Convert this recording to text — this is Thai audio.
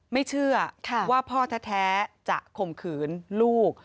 ไม่เชื่อว่าพ่อแท้จะข่มขืนลูก